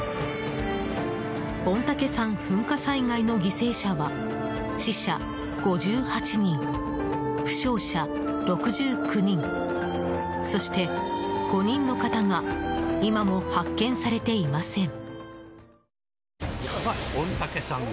御嶽山噴火災害の犠牲者は死者５８人、負傷者６９人そして、５人の方が今も発見されていません。